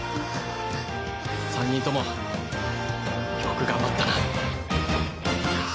三人ともよく頑張ったな。